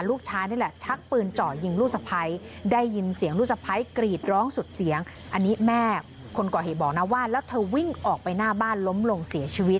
ลูกชายนี่แหละชักปืนเจาะยิงลูกสะพ้าย